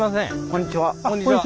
こんにちは。